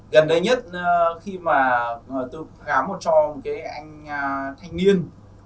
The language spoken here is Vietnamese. gần đây nhất khi mà tôi khám một trò một cái anh thanh niên